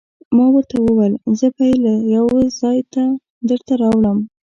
ما ورته وویل: زه به يې له یوه ځای نه درته راوړم.